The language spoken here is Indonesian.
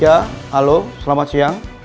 ya halo selamat siang